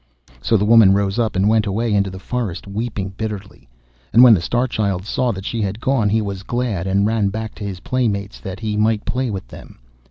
So the woman rose up, and went away into the forest weeping bitterly, and when the Star Child saw that she had gone, he was glad, and ran back to his playmates that he might play with them.